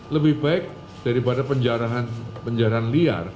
lebih baik daripada penjarahan penjaraan liar